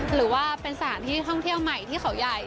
หรือว่าเป็นสถานที่ท่องเที่ยวใหม่ที่เขาใหญ่